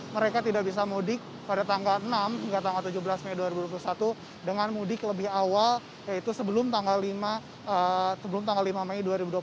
mereka tidak bisa mudik pada tanggal enam hingga tanggal tujuh belas mei dua ribu dua puluh satu dengan mudik lebih awal yaitu sebelum tanggal lima mei dua ribu dua puluh satu